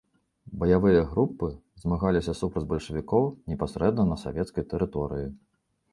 Баявыя групы змагаліся супраць бальшавікоў непасрэдна на савецкай тэрыторыі.